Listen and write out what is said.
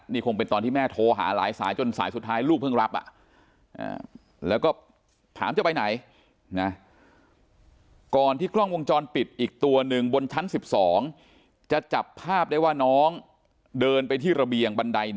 นี่คงเป็นตอนที่แม่โทรหาไลน์สาย